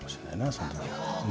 その時は。